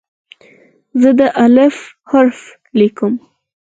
زه د "الف" حرف لیکم.